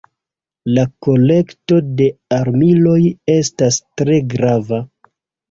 La kolekto de armiloj estas tre grava.